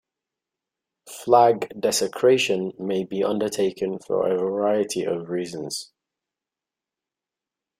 Flag desecration may be undertaken for a variety of reasons.